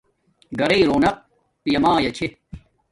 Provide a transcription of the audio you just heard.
گھرݵݵ رونق پیا مایا چھے